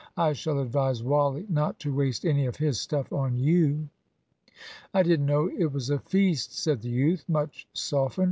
I shall advise Wally not to waste any of his stuff on you." "I didn't know it was a feast," said the youth, much softened.